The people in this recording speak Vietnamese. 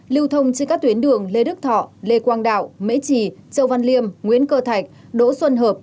lưu thông trên các tuyến đường lê đức thọ lê quang đạo mễ trì châu văn liêm nguyễn cơ thạch đỗ xuân hợp